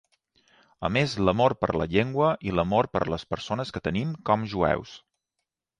A més, l'amor per la llengua i l'amor per les persones que tenim com jueus.